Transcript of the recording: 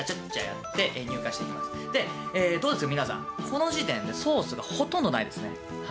この時点でソースがほとんどないですね。